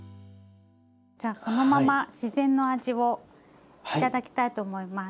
じゃあこのまま自然の味を頂きたいと思います。